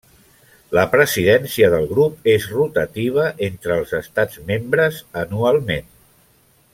La presidència del grup és rotativa entre els estats membres anualment.